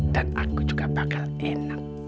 dan aku juga bakal enak